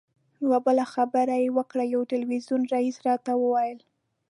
یوه بله خبره یې وکړه یو تلویزیون رییس راته وویل.